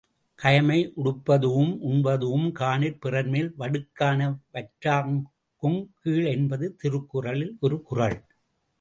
கயமை உடுப்பதூஉம் உண்பது உம் காணிற் பிறர்மேல் வடுக்காண வற்றாகுங் கீழ் என்பது திருக்குறளில் ஒரு குறள்.